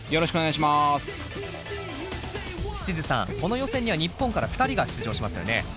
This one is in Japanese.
この予選には日本から２人が出場しますよね。